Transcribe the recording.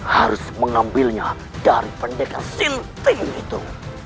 harus mengambilnya dari pendekat sylting itu